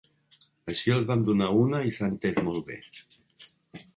Així els vam donar una i s'ha entès molt bé.